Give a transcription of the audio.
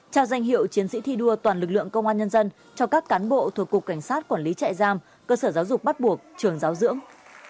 trao danh hiệu chiến sĩ thi đua toàn lực lượng công an nhân dân cho các cán bộ thuộc cục cảnh sát quản lý trại giam cơ sở giáo dục bắt buộc trường giáo dưỡng